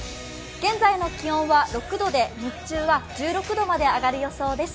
現在の気温は６度で、日中は１６度まで上がる予想です。